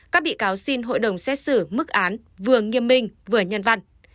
các bị cáo xin hội đồng xét xử mức án vừa nghiêm minh vừa nhân văn